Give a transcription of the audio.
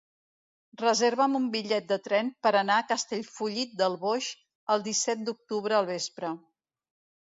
Reserva'm un bitllet de tren per anar a Castellfollit del Boix el disset d'octubre al vespre.